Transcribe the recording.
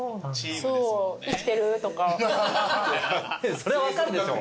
それは分かるでしょ。